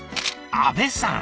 阿部さん！